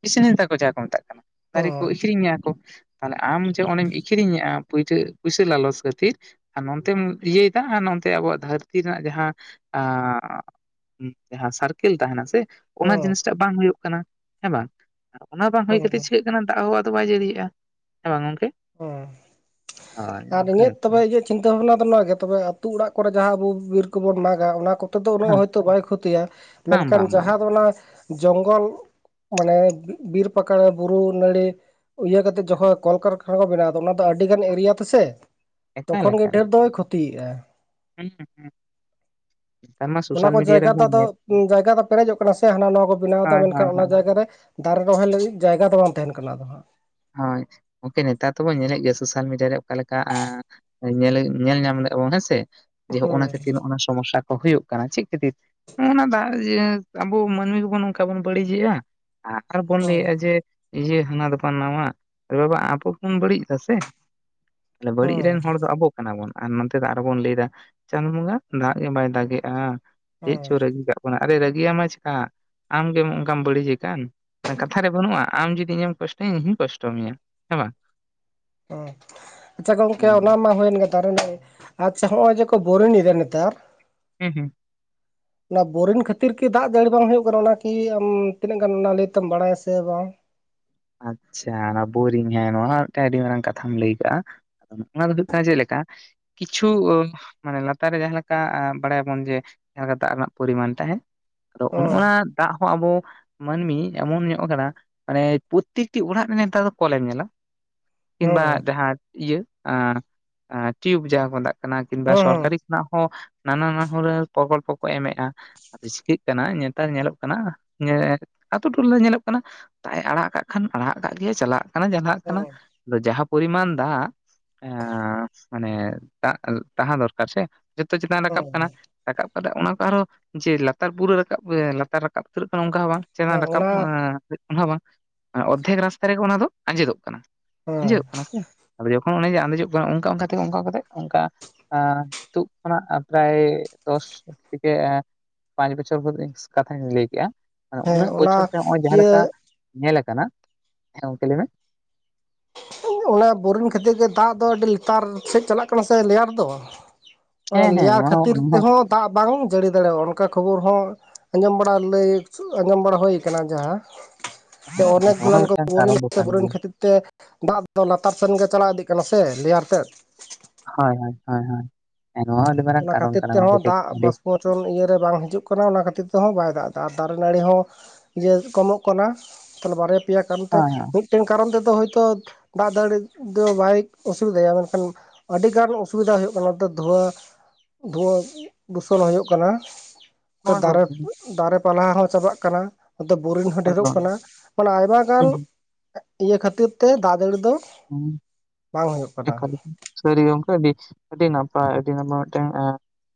ᱠᱤᱥᱱᱤ ᱛᱟᱠᱚ ᱡᱟᱸᱦᱟᱸ ᱠᱚ ᱢᱮᱛᱟᱜ ᱠᱟᱱᱟ᱾ ᱦᱮᱸ ᱫᱟᱨᱮ ᱠᱚ ᱟᱹᱠᱷᱨᱤᱧᱟ ᱠᱚ ᱛᱟᱦᱞᱮ ᱟᱢ ᱡᱮ ᱚᱸᱱᱮᱢ ᱤᱠᱷᱨᱤᱧᱮᱜᱼᱟ ᱯᱩᱭᱥᱟᱹ ᱞᱟᱞᱚᱪ ᱠᱷᱟᱹᱛᱤᱨᱼᱼ ᱟᱨ ᱱᱚᱱᱛᱮᱢ ᱤᱭᱟᱹᱭᱮᱫᱟ ᱟᱨ ᱱᱚᱱᱛᱮ ᱟᱵᱚᱣᱟᱜ ᱫᱷᱟᱹᱨᱛᱤ ᱨᱮᱱᱟᱜ ᱡᱟᱸᱦᱟᱸᱼᱼ ᱡᱟᱸᱦᱟ ᱥᱟᱨᱠᱮᱞ ᱛᱟᱦᱮᱱᱟ ᱥᱮᱼᱼ ᱦᱮᱸ ᱚᱱᱟ ᱡᱤᱱᱤᱥᱴᱟᱜ ᱵᱟᱝ ᱦᱩᱭᱩᱜ ᱠᱟᱱᱟ ᱦᱮᱸ ᱵᱟᱝ ᱚᱱᱟ ᱵᱟᱝ ᱦᱩᱭ ᱦᱮᱸ ᱠᱟᱛᱮ ᱪᱤᱠᱟᱹᱜᱼᱼ ᱚᱱᱟ ᱫᱟᱜ ᱦᱚᱸ ᱟᱫᱚ ᱵᱟᱭ ᱡᱟᱹᱲᱤᱭᱮᱜᱼᱟ ᱦᱮᱸ ᱵᱟᱝ ᱜᱚᱝᱠᱮ? ᱚᱸᱻ ᱦᱳᱭ ᱟᱨ ᱚᱱᱠᱟ ᱤᱧᱟᱹᱜ ᱜᱮᱛᱚ᱾ ᱛᱚᱵᱮ ᱤᱭᱟᱹᱜᱼᱼ ᱪᱤᱱᱛᱟᱹ ᱵᱷᱟᱵᱱᱟ ᱫᱚ ᱱᱚᱣᱟ ᱜᱮ ᱛᱚᱵᱮ ᱟᱛᱩ ᱚᱲᱟᱜ ᱠᱚᱨᱮ ᱡᱟᱸᱦᱟ ᱟᱵᱩ ᱵᱤᱨ ᱠᱚᱵᱚ ᱢᱟᱸᱜᱟ ᱚᱱᱟ ᱠᱚᱼᱼ ᱫᱚ ᱩᱱᱟᱹᱜ ᱦᱮᱸ ᱦᱚᱭᱛᱚ ᱵᱟᱭ ᱠᱷᱚᱛᱤᱭᱟ ᱵᱟᱝ ᱢᱮᱱᱠᱷᱟᱱ ᱵᱟᱝ ᱵᱟᱝ᱾ ᱡᱟᱸᱦᱟ ᱫᱚ ᱚᱱᱟᱼᱼ ᱡᱚᱝᱜᱚᱞ ᱢᱟᱱᱮ ᱵᱤᱨ ᱯᱟᱠᱟᱲ ᱵᱩᱨᱩ ᱱᱟᱹᱲᱤᱼᱼ ᱤᱭᱟᱹ ᱠᱟᱛᱮᱫ ᱡᱚᱠᱷᱚᱡ ᱠᱚᱞ ᱠᱟᱨᱠᱷᱟᱱᱟ ᱠᱚ ᱵᱮᱱᱟᱣ ᱮᱫᱟ ᱚᱱᱟ ᱫᱚ ᱟᱹᱰᱤ ᱜᱟᱱ ᱮᱨᱤᱭᱟ ᱛᱮᱥᱮ᱾ ᱛᱚᱠᱷᱚᱱ ᱜᱮ ᱰᱷᱮᱨ ᱫᱚᱭ ᱠᱷᱚᱛᱤᱭᱮᱜᱼᱟ᱾ ᱦ ᱦᱮᱸ [INAUDIBLE] ᱛᱟᱢᱟᱥ [INAUDIBLE] ᱚᱱᱟ ᱠᱚ ᱡᱟᱭᱜᱟ ᱫᱚ ᱟᱫᱚ ᱡᱟᱭᱜᱟ ᱫᱚ ᱯᱮᱨᱮᱡᱚᱜ ᱠᱟᱱᱟ ᱥᱮ ᱦᱟᱱᱟ ᱱᱚᱣᱟ ᱠᱚ ᱵᱮᱱᱟᱣᱫᱟ ᱦᱳᱭ ᱦᱳᱭ ᱢᱮᱱᱠᱷᱟᱱ ᱚᱱᱟ ᱦᱳᱭ᱾ ᱡᱟᱭᱜᱟ ᱨᱮᱼᱼ ᱫᱟᱨᱮ ᱨᱚᱦᱚᱭ ᱞᱟᱹᱜᱤᱫ ᱡᱟᱭᱜᱟ ᱫᱚ ᱵᱟᱝ ᱛᱟᱦᱮᱱ ᱠᱟᱱᱟ ᱟᱫᱚ ᱦᱟᱸᱜ᱾ ᱦᱚᱸᱭ ᱜᱚᱝᱠᱮ ᱱᱮᱛᱟᱨ ᱛᱚᱠᱚ ᱧᱮᱞᱮᱫ ᱜᱮ ᱥᱳᱥᱟᱞ ᱢᱤᱰᱤᱭᱟᱨᱮ ᱚᱠᱟᱞᱮᱠᱟᱼᱼ ᱧᱮᱞ ᱧᱮᱞ ᱧᱟᱢ ᱞᱮᱫ ᱟᱵᱚᱱ ᱦᱮᱸᱥᱮ ᱱᱚᱜᱼ ᱱᱟ ᱦᱩᱸ ᱠᱷᱟᱹᱛᱤᱨ ᱱᱚᱜ ᱱᱚᱣᱟ ᱥᱚᱢᱚᱥᱥᱟ᱾ ᱦᱩᱭᱩᱜ ᱠᱟᱱᱟ ᱪᱮᱫ ᱠᱷᱟᱹᱛᱤᱨ ᱱᱚᱜ ᱱᱟ ᱫᱟᱜ ᱟᱵᱚ ᱢᱟᱹᱱᱢᱤ ᱠᱚ ᱵᱚᱱ ᱱᱚᱝᱠᱟ ᱵᱚᱱ ᱵᱟᱹᱲᱤᱡᱮᱜᱼᱟ ᱟᱨ ᱵᱚᱱ ᱦᱩᱸ ᱞᱟᱹᱭᱮᱜᱼᱟ ᱡᱮ ᱤᱭᱟᱹ ᱦᱟᱱᱟ ᱫᱚ ᱱᱟᱣᱟ ᱟᱵᱚ ᱵᱚᱱ ᱵᱟᱹᱲᱤᱡ ᱫᱟ ᱥᱮ ᱵᱟᱹᱲᱤᱡ ᱦᱩᱸ ᱨᱮᱱ ᱦᱚᱲ ᱫᱚ ᱟᱵᱚᱼᱼ ᱠᱟᱱᱟ ᱵᱚᱱ ᱟᱨ ᱱᱚᱛᱮ ᱫᱚ ᱟᱨᱚ ᱵᱚᱱ ᱞᱟᱹᱭᱫᱟ ᱪᱟᱸᱫᱩ ᱵᱚᱸᱜᱟ ᱫᱟᱜ ᱜᱮ ᱵᱟᱭ ᱫᱟᱜᱮᱜᱼᱟ ᱪᱮᱜ ᱦᱩᱸ ᱪᱚ ᱨᱟᱹᱜᱤ ᱠᱟᱜ ᱵᱚᱱᱟ ᱟᱨ ᱨᱟᱹᱜᱤᱭᱟᱢᱟ ᱪᱮᱠᱟ ᱟᱢ ᱜᱮᱢ ᱚᱱᱠᱟᱢ ᱵᱟᱹᱲᱤᱡ ᱮ ᱠᱟᱱ ᱠᱟᱛᱷᱟ ᱨᱮ ᱵᱟᱹᱱᱩᱜᱼᱟ ᱟᱢ ᱡᱩᱫᱤ ᱤᱧᱮᱢ ᱠᱚᱥᱴᱚᱼᱼ ᱤᱧ ᱦᱩᱧ ᱠᱚᱥᱴᱚ ᱢᱮᱭᱟ ᱦᱮᱸ ᱵᱟᱝ ᱟᱪᱪᱷᱟ ᱜᱚᱝᱠᱮ ᱚᱱᱟ ᱢᱟ ᱦᱩᱭ ᱮᱱ ᱜᱮ [UNINTELLIGIBLE] ᱟᱪᱪᱷᱟ ᱦᱚᱸᱜᱼᱚᱭ ᱡᱮ ᱵᱚᱨᱤᱝ ᱮᱫᱟ ᱱᱮᱛᱟᱨ ᱦᱮᱸ ᱦᱮᱸ ᱚᱱᱟ ᱵᱳᱨᱤᱝ ᱠᱷᱟᱹᱛᱤᱨ ᱠᱤ ᱫᱟᱜ ᱡᱟᱹᱲᱤ ᱵᱟᱝ ᱦᱩᱭᱩᱜ ᱠᱟᱱᱟ ᱚᱱᱟ ᱠᱤ ᱟᱢ ᱛᱤᱱᱟᱹᱜ ᱜᱟᱱ ᱚᱱᱟ ᱞᱟᱹᱭ ᱛᱮᱢ ᱵᱟᱲᱟᱭᱟ ᱥᱮ ᱵᱟᱝ᱾ ᱟᱪᱪᱷᱟ ᱚᱱᱟ ᱵᱳᱨᱤᱝ ᱦᱮᱸ ᱱᱚᱣᱟ ᱢᱤᱫᱴᱮᱡ ᱟᱹᱰᱤ ᱢᱟᱨᱟᱝ ᱠᱟᱛᱷᱟᱢ ᱞᱟᱹᱭ ᱠᱟᱜ-ᱟ ᱚᱱᱟ ᱫᱚ ᱦᱩᱭᱩᱜ ᱠᱟᱱᱟ ᱪᱮᱫ ᱞᱮᱠᱟᱼᱼ ᱠᱤᱪᱷᱩ ᱢᱟᱱᱮ ᱞᱟᱛᱟᱨ ᱨᱮ ᱡᱟᱦᱟᱸ ᱞᱮᱠᱟ ᱵᱟᱲᱟᱭ ᱟᱵᱚᱱ ᱡᱮ, ᱡᱟᱸᱦᱟ ᱞᱮᱠᱟ ᱫᱟᱜ ᱨᱮᱱᱟᱜ ᱯᱚᱨᱤᱢᱟᱱ ᱛᱟᱸᱦᱮᱱ᱾ ᱟᱫᱚ ᱚᱱ ᱦᱩᱸ ᱚᱱᱟ ᱫᱟᱜ ᱦᱚᱸ ᱟᱵᱚ ᱢᱟᱹᱱᱢᱤ ᱮᱢᱚᱱ ᱧᱚᱜ ᱠᱟᱱᱟ ᱢᱟᱱᱮᱼᱼ ᱯᱨᱚᱠᱛᱤᱴᱤ ᱚᱲᱟᱜ ᱢᱟᱱᱮ ᱱᱮᱛᱟᱨ ᱫᱚ ᱠᱚᱞᱮᱢ ᱧᱮᱞᱟ ᱠᱤᱱᱵᱟ ᱦᱩᱸ ᱡᱟᱸᱦᱟᱸ ᱤᱭᱟᱹ ᱴᱤᱭᱩᱵᱽ ᱡᱟᱸᱦᱟ ᱠᱚ ᱢᱮᱛᱟᱜ ᱠᱟᱱᱟ ᱠᱤᱱᱵᱟ ᱦᱩᱸ ᱥᱚᱨᱠᱟᱨᱤᱼᱼ [UNINTELLIGIBLE] ᱱᱟᱱᱟ ᱱᱟᱱᱟ ᱦᱩᱱᱟᱹᱨ ᱯᱨᱚᱠᱚᱞᱯᱚ ᱠᱚ ᱮᱢᱮᱜ-ᱟ ᱟᱫᱚ ᱪᱤᱠᱟᱹᱜ ᱠᱟᱱᱟ ᱱᱮᱛᱟᱨ ᱧᱮᱞᱚᱜ ᱠᱟᱱᱟ ᱟᱹᱛᱩ ᱴᱚᱞᱟ ᱧᱮᱞᱚᱜ ᱠᱟᱱᱟ ᱛᱟᱭᱟᱜ ᱮ ᱟᱲᱟᱜ ᱠᱟᱜ ᱠᱷᱟᱱ ᱟᱲᱟᱜ ᱠᱟᱜ ᱜᱮᱭᱟ ᱪᱟᱞᱟᱜ ᱠᱟᱱᱟ ᱡᱟᱱᱦᱟᱸᱜ ᱠᱟᱱᱟ᱾ ᱦᱩᱸ ᱟᱫᱚ ᱡᱟᱸᱦᱟ ᱯᱚᱨᱤᱢᱟᱱ ᱫᱟᱜ ᱮ ᱢᱟᱱᱮ ᱛᱟᱸᱦᱮ ᱫᱚᱨᱠᱟᱨ ᱥᱮᱼᱼ ᱡᱚᱛᱚ ᱪᱮᱛᱟᱱ ᱦᱩᱸ ᱨᱟᱠᱟᱵ ᱠᱟᱱᱟ᱾ ᱦᱩᱸ ᱨᱟᱠᱟᱵ ᱠᱟᱫᱟ ᱚᱱᱟ ᱠᱚ ᱟᱨᱦᱚᱸ ᱡᱮ ᱞᱟᱛᱟᱨ ᱯᱩᱨᱟᱹ ᱨᱟᱠᱟᱵ ᱞᱟᱛᱟᱨ ᱨᱟᱠᱟᱵ ᱩᱛᱟᱹᱨᱚᱜ ᱠᱟᱱᱟ ᱚᱝᱠᱟ ᱦᱚᱸ ᱵᱟᱝ ᱦᱮᱸ [UNINTELLIGIBLE] ᱨᱟᱠᱟᱵ ᱚᱱᱟ ᱵᱟᱝ ᱚᱨᱫᱷᱮᱠ ᱨᱟᱥᱛᱟ ᱨᱮ ᱜᱮ ᱚᱱᱟ ᱫᱚ ᱟᱸᱡᱮᱫᱚᱜ ᱠᱟᱱᱟ᱾ ᱦᱮᱸ ᱟᱸᱡᱮᱫᱚᱜ ᱠᱟᱱᱟ ᱥᱮ ᱟᱫᱚ ᱡᱚᱠᱷᱚᱱ ᱚᱱᱮ ᱡᱮ ᱟᱸᱫᱮᱡᱚᱜ ᱠᱟᱱᱟ ᱚᱝᱠᱟ ᱚᱝᱠᱟ ᱛᱮᱜᱮ ᱚᱝᱠᱟ ᱚᱝᱠᱟ ᱛᱮ ᱚᱝᱠᱟᱼᱼ ᱱᱤᱛᱚᱜ ᱠᱷᱚᱱᱟᱜ ᱯᱨᱟᱭ ᱫᱚᱥ ᱛᱷᱮᱹᱠᱮᱼᱼ ᱯᱟᱸᱪ ᱵᱚᱪᱷᱚᱨ ᱵᱷᱚᱨ ᱤᱧ ᱠᱟᱛᱷᱟᱧ ᱞᱟᱹᱭ ᱠᱮᱜ-ᱟ ᱫᱚ ᱦᱮᱸ ᱩᱱᱟᱹᱜ ᱚᱱᱟ ᱵᱚᱪᱷᱚᱨ ᱛᱮ ᱦᱚᱸᱜᱼᱚᱭ ᱡᱟᱸᱦᱟ ᱤᱭᱟᱹ ᱞᱮᱠᱟᱼᱼ ᱧᱮᱞ ᱟᱠᱟᱱᱟ ᱦᱮᱸ ᱜᱚᱝᱠᱮ ᱞᱟᱹᱭ ᱢᱮ᱾ ᱚᱱᱟ ᱵᱳᱨᱤᱝ ᱠᱷᱟᱹᱛᱤᱨ ᱜᱮ ᱫᱟᱜ ᱫᱚ ᱟᱹᱰᱤ ᱞᱟᱛᱟᱨ ᱥᱮᱫ ᱪᱟᱞᱟᱜ ᱠᱟᱱᱟ ᱥᱮ ᱞᱮᱭᱟᱨ ᱫᱚ ᱚᱱᱟ ᱦᱮᱸ ᱦᱮᱸ ᱞᱮᱭᱟᱨ ᱱᱚᱣᱟ ᱠᱷᱟᱹᱛᱤᱨ ᱛᱮ ᱱᱚᱣᱟ ᱦᱚᱸ ᱫᱟᱜ ᱵᱟᱝ ᱡᱟᱹᱲᱤ ᱫᱟᱲᱮᱭᱟᱜᱼᱟ ᱚᱱᱠᱟ ᱠᱷᱚᱵᱚᱨ ᱦᱚᱸᱼᱼ ᱟᱸᱡᱚᱢ ᱵᱟᱲᱟ ᱞᱟ. ᱭ ᱟᱸᱡᱚᱢ ᱵᱟᱲᱟ ᱦᱩᱭ ᱠᱟᱱᱟ ᱡᱟᱦᱟᱸᱼᱼ ᱦᱚᱸ ᱦᱮᱸ ᱦᱮᱸ ᱱᱚᱣᱟ ᱦᱚᱸ ᱢᱤᱫᱴᱟᱝ ᱠᱟᱨᱚᱱ ᱫᱚ [UNINTELLIGIBLE] ᱠᱟᱱ ᱵᱚᱨᱤᱱ ᱜᱮᱭᱟ ᱠᱷᱟᱹᱛᱤᱨ ᱛᱮ ᱫᱟᱜ ᱫᱚ ᱞᱟᱛᱟᱨ ᱥᱮᱱ ᱜᱮ ᱪᱟᱞᱟᱣ ᱤᱫᱤᱜ ᱠᱟᱱᱟ ᱥᱮ ᱞᱮᱭᱟᱨ ᱛᱮᱫ ᱦᱳᱭ ᱦᱳᱭ ᱦᱳᱭ ᱦᱳᱭ ᱱᱚᱣᱟ ᱦᱚᱸ ᱟᱹᱰᱤ ᱢᱟᱨᱟᱝ ᱠᱟᱨᱚᱱ ᱠᱟᱱᱟ ᱜᱚᱢᱠᱮ ᱴᱷᱤᱠᱼᱼ [UNINTELLIGIBLE] ᱤᱭᱟ ᱨᱮ ᱵᱟᱝ ᱦᱤᱡᱩᱜ ᱠᱟᱱᱟ ᱚᱱᱟ ᱠᱷᱟᱹᱛᱤᱨ ᱛᱮ ᱦᱚᱸ ᱵᱟᱭ ᱫᱟᱜ ᱮᱫᱟ ᱟᱨ ᱫᱟᱨᱮ ᱱᱟᱹᱲᱤ ᱦᱚᱸ ᱡᱮ ᱠᱚᱢᱚᱜ ᱠᱟᱱᱟ ᱛᱟᱦᱞᱮ ᱵᱟᱨᱭᱟ ᱯᱮᱭᱟ ᱠᱟᱨᱚᱱ ᱛᱮ ᱦᱳᱭ ᱢᱤᱫᱼᱼ ᱢᱤᱫᱴᱮᱱ ᱠᱟᱨᱚᱱ ᱛᱮᱫᱚ ᱦᱚᱭ ᱛᱚ ᱫᱟᱜ ᱡᱟᱹᱲᱤ ᱫᱚ ᱵᱟᱭ ᱚᱥᱩᱵᱤᱫᱟᱭᱟ ᱢᱮᱱ ᱠᱷᱟᱱᱼᱼ ᱟᱹᱰᱤ ᱜᱟᱱ ᱚᱥᱩᱵᱤᱫᱟ ᱦᱩᱭᱩᱜ ᱠᱟᱱᱟ ᱱᱚᱛᱮ ᱫᱷᱩᱣᱟᱹ ᱫᱷᱩᱣᱟᱹ ᱫᱩᱥᱚᱱ ᱦᱩᱭᱩᱜ ᱠᱟᱱᱟ ᱦᱳᱭ ᱦᱳᱭ ᱫᱟᱨᱮᱼᱼ ᱦᱳᱭ ᱫᱟᱨᱮ ᱯᱟᱞᱦᱟ ᱦᱚᱸ ᱪᱟᱵᱟᱜ ᱠᱟᱱᱟ ᱱᱚᱛᱮ ᱵᱳᱨᱤᱝ ᱦᱚᱸ ᱰᱷᱮᱨᱚᱜ ᱮᱠᱫᱚᱢ ᱠᱟᱱᱟ ᱢᱟᱱᱮ ᱟᱭᱢᱟ ᱜᱟᱱᱼᱼ ᱦᱩᱸ ᱦᱩᱸ ᱤᱭᱟᱹ ᱠᱷᱟᱹᱛᱤᱨ ᱛᱮ ᱫᱟᱜ ᱫᱟᱹᱲᱤ ᱫᱚᱼᱼ [INAUDIBLE] ᱥᱟᱹᱨᱤ ᱜᱚᱢᱠᱮ ᱟᱹᱰᱤ ᱟᱹᱰᱤ ᱱᱟᱯᱟᱭ ᱟᱹᱰᱤ ᱱᱟᱯᱟᱭ ᱢᱤᱫᱴᱟᱝ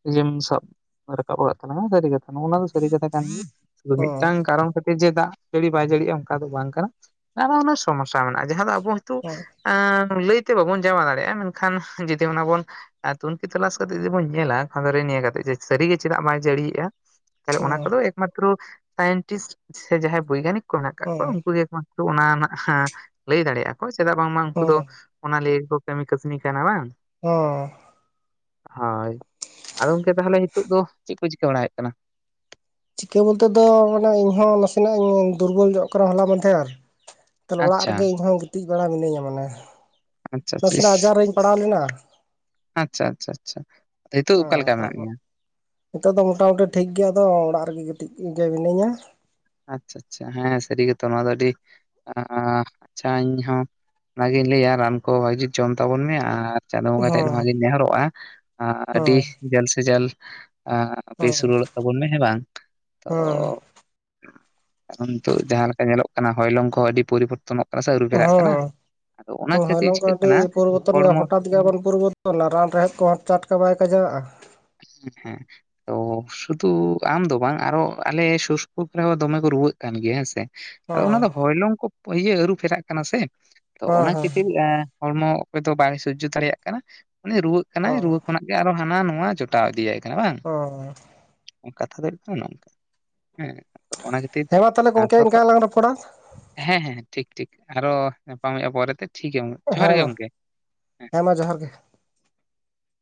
ᱤᱭᱟ. ᱢ ᱥᱟᱵ ᱨᱟᱠᱟᱵ ᱠᱟᱜ ᱛᱟᱞᱟᱝᱼᱟ ᱥᱟᱹᱨᱤ ᱠᱟᱛᱷᱟ ᱱᱚᱜᱼ ᱱᱚᱣᱟ ᱫᱚ ᱥᱟᱹᱨᱤ ᱠᱟᱛᱷᱟ ᱠᱟᱱ ᱜᱮᱭᱟ ᱦᱩᱸ ᱢᱤᱫᱴᱟᱝ ᱠᱟᱨᱚᱱ [UNINTELLIGIBLE] ᱡᱮ ᱫᱟᱜ ᱡᱟᱹᱲᱤ ᱵᱟᱭ ᱡᱟᱹᱲᱤᱼᱟ ᱚᱱᱠᱟ ᱫᱚ ᱵᱟᱝ ᱠᱟᱱᱟ ᱱᱟᱱᱟ ᱦᱩᱱᱟᱹᱨ ᱥᱚᱢᱚᱥᱟ ᱢᱮᱱᱟᱜᱼᱟ ᱡᱟᱦᱟᱸ ᱫᱚ ᱟᱵᱚ ᱦᱚᱭᱛᱚ ᱦᱩᱸ ᱞᱟᱹᱭ ᱛᱮ ᱵᱟᱵᱚᱱ ᱪᱟᱵᱟ ᱫᱟᱲᱮᱭᱟᱜᱼᱟ ᱢᱮᱱ ᱠᱷᱟᱱ ᱡᱩᱫᱤ ᱚᱱᱟ ᱵᱚᱱᱼᱼ ᱟᱨ ᱛᱩᱱᱠᱷᱤ ᱛᱚᱞᱟᱥ ᱠᱟᱛᱮᱫ ᱡᱩᱫᱤ ᱵᱚᱱ ᱧᱮᱞᱟ ᱠᱷᱟᱱᱮ ᱱᱤᱭᱟᱹ ᱠᱟᱛᱮᱜ ᱡᱮ ᱥᱟ. ᱨᱤ ᱜᱮ ᱪᱮᱫᱟᱜ ᱵᱟᱭ ᱡᱟᱹᱲᱤᱭ ᱮᱫᱼᱟ ᱛᱟᱦᱞᱮ ᱚᱱᱟ ᱦᱩᱸ ᱠᱚᱫᱚ ᱮᱠ ᱢᱟᱛᱨᱚ ᱥᱟᱭᱤᱱᱴᱤᱥᱴ ᱥᱮ ᱡᱟᱦᱟᱸᱭ ᱵᱳᱭᱜᱟᱱᱤᱠ ᱠᱚ ᱢᱮᱱᱟᱜ ᱟᱠᱟᱫ ᱦᱩᱸ ᱠᱚᱣᱟ ᱩᱱᱠᱩ [INAUDIBLE] ᱚᱱᱟ ᱨᱮᱱᱟᱜ ᱞᱟᱹᱭ ᱫᱟᱲᱮᱭᱟᱜᱼᱟ ᱠᱚ ᱪᱮᱫᱟᱜ ᱵᱟᱝᱢᱟ ᱩᱱᱠᱩ ᱫᱚ ᱦᱩᱸ ᱚᱱᱟ ᱞᱟᱹᱜᱤᱫ ᱠᱟᱹᱢᱤ ᱠᱟᱹᱥᱱᱤ ᱠᱟᱱᱟ ᱵᱟᱝ? ᱚᱻ ᱦᱳᱭ ᱟᱫᱚ ᱜᱚᱢᱠᱮ ᱛᱟᱦᱚᱞᱮ ᱱᱤᱛᱳ ᱫᱚ ᱪᱮᱫ ᱠᱚ ᱪᱤᱠᱟᱹ ᱵᱟᱲᱟᱭᱮᱫ ᱠᱟᱱᱟ? ᱪᱤᱠᱟᱹ ᱵᱚᱞᱛᱮ ᱫᱚ ᱢᱟᱱᱮ ᱤᱧᱦᱚᱸ ᱱᱟᱥᱮᱱᱟᱜ ᱤᱧ ᱫᱩᱨᱵᱚᱞ ᱡᱚᱜ ᱠᱟᱱᱟ ᱦᱚᱞᱟ ᱢᱟᱫᱷᱮᱨ, ᱛᱟᱦᱚᱞᱮ ᱚᱲᱟᱜ ᱟᱪᱪᱷᱟ ᱨᱮᱜᱮ ᱤᱧᱦᱚᱸ ᱜᱤᱛᱤᱡ ᱵᱟᱲᱟ ᱢᱤᱱᱟᱹᱧᱟ ᱢᱟᱱᱮ ᱟᱪᱪᱷᱟ ᱱᱟᱥᱮᱱᱟᱜ ᱟᱡᱟᱨ ᱨᱤᱧ ᱯᱟᱲᱟᱣ ᱞᱮᱱᱟ᱾ ᱟᱪᱷᱟ ᱟᱪᱷᱟ ᱟᱪᱷᱟ ᱱᱤᱛᱳ ᱚᱠᱟ ᱦᱮᱸ ᱞᱮᱠᱟ ᱢᱮᱱᱟᱜ ᱛᱟᱯᱚᱨ ᱢᱮᱭᱟ? ᱱᱤᱛᱚᱜ ᱫᱚ ᱢᱚᱴᱟᱢᱩᱴᱤ ᱴᱷᱤᱠ ᱜᱮᱭᱟ ᱟᱫᱚ ᱚᱲᱟᱜ ᱨᱮᱜᱮ ᱜᱤᱛᱤᱡ ᱜᱮ ᱢᱤᱱᱟᱹᱧᱟ᱾ ᱟᱪᱷᱟ ᱟᱪᱷᱟ ᱦᱮᱸ ᱥᱟᱹᱨᱤ ᱜᱮᱛᱚ ᱱᱚᱣᱟ ᱫᱚ ᱟᱹᱰᱤ ᱟᱪᱷᱟ ᱤᱧ ᱦᱚ ᱚᱱᱟᱜᱤᱧ ᱞᱟᱹᱭᱟ ᱨᱟᱱ ᱠᱚ ᱵᱷᱟᱹᱜᱤ ᱡᱚᱢ ᱛᱟᱵᱚᱱ ᱢᱮ ᱟᱨᱼᱼ ᱪᱟᱸᱫᱳ ᱵᱚᱸᱜᱟ ᱴᱷᱮᱱ ᱦᱮᱸ ᱱᱚᱣᱟ ᱜᱤᱧ ᱱᱮᱦᱚᱨᱚᱜᱼᱟ ᱟᱹᱰᱤ ᱦᱮᱸ ᱡᱟ. ᱞ ᱥᱮ ᱡᱟ. ᱞᱼᱼ ᱟ ᱵᱮᱥ ᱦᱮᱸ ᱩᱨᱟᱹᱲᱚᱜ ᱛᱟᱵᱚᱱ ᱢᱮ ᱦᱮᱸ ᱵᱟᱝ ᱛᱚᱼᱼ ᱦᱮᱸ ᱱᱤᱛᱚᱜ ᱡᱟᱦᱟᱸ ᱞᱮᱠᱟ ᱧᱮᱞᱚᱜ ᱠᱟᱱᱟ ᱦᱚᱭ ᱞᱚᱝ ᱠᱚ ᱦᱚᱸ ᱟᱹᱰᱤ ᱯᱚᱨᱤᱵᱚᱨᱛᱚᱱᱚᱜ ᱠᱟᱱᱟ᱾ ᱥᱮ ᱟᱹᱨᱩ ᱦᱮᱸ ᱯᱷᱮᱨᱟᱜ ᱠᱟᱱᱟ ᱟᱫᱚ ᱚᱱᱟ ᱦᱮᱸ ᱦᱚᱭ ᱠᱷᱟᱹᱛᱤᱨ ᱞᱚᱝ ᱠᱟ ᱪᱤᱠᱟᱹᱜ ᱟᱹᱰᱤ ᱠᱟᱱᱟ ᱯᱚᱨᱤᱵᱚᱨᱛᱚᱱ ᱜᱮ ᱦᱚᱲᱢᱚ ᱦᱚᱴᱟᱛ ᱜᱮ ᱮᱢᱚᱱ ᱯᱚᱨᱤᱵᱚᱨᱚᱱᱼ ᱨᱟᱱ ᱨᱮᱦᱮᱫ ᱠᱚᱦᱚᱸ ᱪᱟᱴᱠᱟ ᱵᱟᱭ ᱠᱟᱡᱟᱜᱼᱟ᱾ ᱦᱮᱸ ᱦᱮᱸ᱾ ᱛᱚ ᱥᱩᱫᱩ ᱟᱢ ᱫᱚ ᱵᱟᱝ ᱟᱨᱚ ᱟᱞᱮ ᱥᱩᱨ ᱥᱩᱯᱩᱨ ᱠᱚᱨᱮ ᱦᱚᱸ ᱫᱚᱢᱮ ᱠᱚ ᱨᱩᱣᱟᱹᱜ ᱠᱟᱱ ᱜᱮᱭᱟ ᱦᱮᱸ ᱥᱮ᱾ ᱟᱫᱚ ᱚᱱᱟ ᱦᱮᱸ ᱫᱚ ᱦᱚᱭᱞᱚᱝ ᱠᱚ ᱤᱭᱟᱹ ᱟᱹᱨᱩᱯᱷᱮᱨᱟᱜ ᱠᱟᱱᱟ ᱥᱮ ᱛᱚ ᱦᱮᱸ ᱚᱱᱟ ᱠᱷᱟᱹᱛᱤᱨᱼᱼ ᱦᱚᱲᱢᱚ ᱚᱠᱚᱭ ᱫᱚ ᱵᱟᱭ ᱥᱚᱡᱽᱡᱚ ᱫᱟᱲᱮᱭᱟᱜ ᱠᱟᱱᱟ ᱩᱱᱤ ᱨᱩᱣᱟᱹᱜ ᱠᱟᱱᱟᱭ ᱦᱮᱸ ᱨᱩᱣᱟᱹ ᱠᱷᱚᱱᱟᱜ ᱜᱮ ᱟᱨᱚ ᱦᱟᱱᱟ ᱱᱚᱣᱟ ᱡᱚᱛᱚᱼᱼ ᱯᱴᱟᱣ ᱤᱫᱤᱭᱟᱭ ᱠᱟᱱᱟ ᱵᱟᱝ? ᱚ ᱠᱟᱛᱷᱟ ᱫᱚ ᱦᱩᱭᱩᱜ ᱠᱟᱱᱟ ᱱᱚᱝᱠᱟ᱾ ᱦᱮᱸ ᱚᱱᱟ ᱠᱷᱟᱹᱛᱤᱨ ᱦᱮᱸ ᱢᱟ ᱛᱟᱦᱚᱞᱮ ᱜᱚᱢᱠᱮ ᱤᱱᱠᱟ ᱥᱚᱴᱚᱜ ᱜᱮᱞᱟᱝ ᱨᱚᱯᱚᱲᱟ᱾ ᱦᱮᱸ ᱦᱮᱸ ᱴᱷᱤᱠ ᱴᱷᱤᱠ ᱟᱨᱚ ᱧᱟᱯᱟᱢ ᱦᱩᱭᱩᱜᱼᱟ ᱯᱚᱨᱮᱛᱮ ᱴᱷᱤᱠ ᱜᱮᱭᱟ ᱜᱚᱝᱠᱮ ᱡᱚᱦᱟᱨ ᱦᱮᱸ ᱜᱮ ᱢᱟ ᱜᱚᱝᱠᱮ᱾ ᱦᱮᱸ ᱢᱟ ᱡᱚᱦᱟᱨ ᱜᱮ᱾